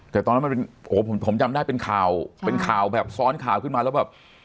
แต่ตอนนั้นมันเป็นโอ้โหผมจำได้เป็นข่าวเป็นข่าวแบบซ้อนข่าวขึ้นมาแล้วแบบ